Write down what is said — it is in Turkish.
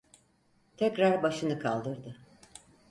Tekrar başını kaldırdı.